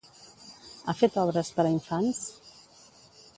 Ha fet obres per a infants?